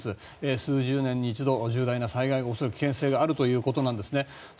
数十年に一度重大な災害が起こる危険性があるということですね。